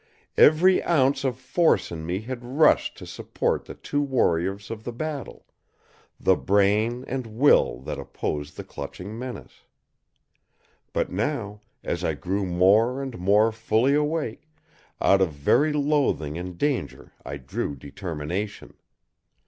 Every ounce of force in me had rushed to support the two warriors of the battle: the brain and will that opposed the clutching menace. But now, as I grew more and more fully awake, out of very loathing and danger I drew determination.